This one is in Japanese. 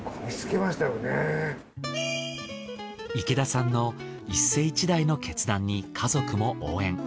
池田さんの一世一代の決断に家族も応援。